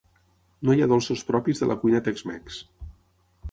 No hi ha dolços propis de la cuina tex-mex.